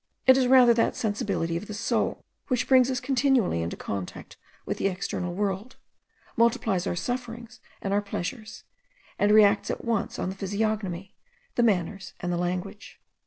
It is rather that sensibility of the soul, which brings us continually into contact with the external world, multiplies our sufferings and our pleasures, and re acts at once on the physiognomy, the manners, and the language.